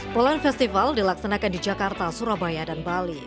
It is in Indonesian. polan festival dilaksanakan di jakarta surabaya dan bali